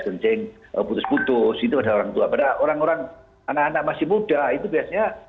kencing putus putus itu ada orang tua pada orang orang anak anak masih muda itu biasanya